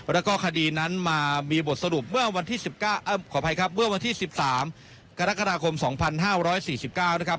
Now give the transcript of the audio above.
แล้วก็คดีนั้นมามีบทสรุปเมื่อวันที่๑๓กรกฎาคม๒๕๔๙นะครับ